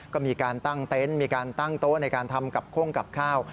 ก็มีการตั้งเต็นต์มีการตั้งโต๊ะในการทำกับโค้งกับข้าว